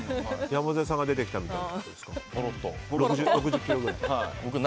山添さんが出てきたみたい。